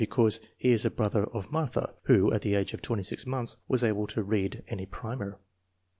because he is a brother of Martha, who at the age of 26 months was able to read any primer.